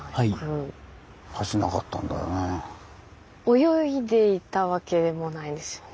泳いでいたわけでもないんですよね？